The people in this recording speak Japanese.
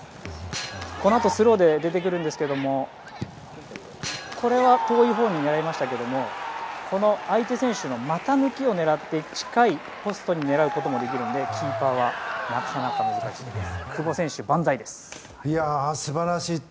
このあとスローで出てくるんですが遠いほうを狙いましたが相手選手の股抜きを狙って近いポストを狙うこともできるのでキーパーはなかなか難しいです。